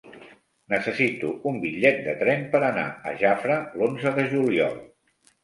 Necessito un bitllet de tren per anar a Jafre l'onze de juliol.